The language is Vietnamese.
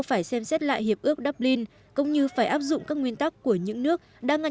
phải xem xét lại hiệp ước berlin cũng như phải áp dụng các nguyên tắc của những nước đang